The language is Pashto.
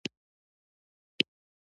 غوږونه د حیواناتو غږ پېژني